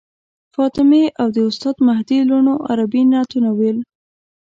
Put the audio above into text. فاطمې او د استاد مهدي لوڼو عربي نعتونه ویل.